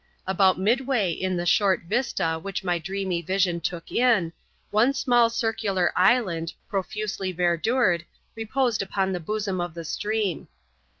About midway in the short vista which my dreamy vision took in, one small circular island, profusely verdured, reposed upon the bosom of the stream.